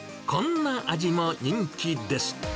こんな味も人気です。